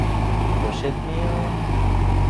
خوشت میاد؟